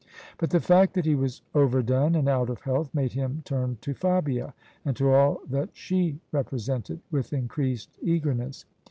But the fact that he was overdone and out of health made him turn to Fabia, and to all that she represented, with increased eagerness.